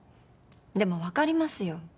でも分かりますよ。